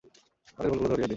তাদের ভুলগুলো ধড়িয়ে দিন।